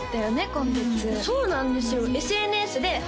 今月そうなんですよＳＮＳで＃